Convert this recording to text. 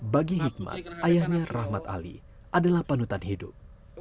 bagi hikmat ayahnya rahmat ali adalah panutan hidup